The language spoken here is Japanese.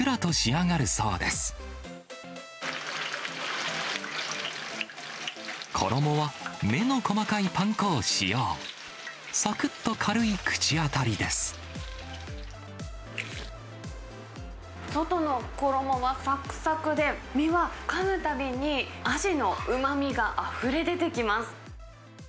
外の衣はさくさくで、身はかむたびにアジのうまみがあふれ出てきます。